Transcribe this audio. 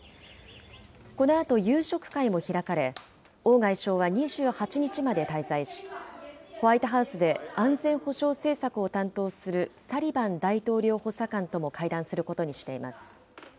このあと夕食会も開かれ、王外相は２８日まで滞在し、ホワイトハウスで安全保障政策を担当するサリバン大統領補佐官とも会談することにしています。